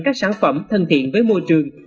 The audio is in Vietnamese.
các sản phẩm thân thiện với môi trường